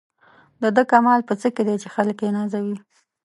د ده کمال په څه کې دی چې خلک یې نازوي.